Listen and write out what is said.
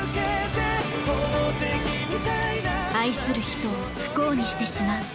「愛する人を不幸にしてしまう」